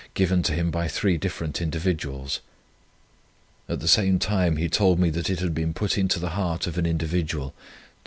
given to him by three different individuals. At the same time he told me that it had been put into the heart of an individual to send to morrow £100."